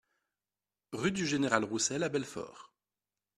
Rue du Général Roussel à Belfort